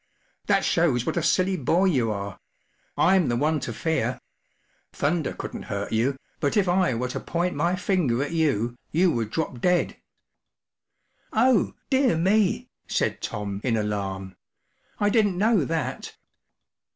14 That shows what a silly boy you are, Tm the one to fear. Thunder couldt/t hurt you, but if I were to point my finger at you, you would drop dead," 44 Oh, dear me !” said Tom, in alarm ; 44 1 didn't know that.